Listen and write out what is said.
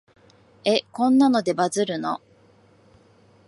え、こんなのでバズるの？